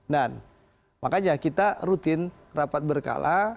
dan makanya kita rutin rapat berkala